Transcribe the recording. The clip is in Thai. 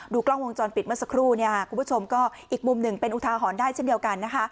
กล้องวงจรปิดเมื่อสักครู่คุณผู้ชมก็อีกมุมหนึ่งเป็นอุทาหรณ์ได้เช่นเดียวกันนะคะ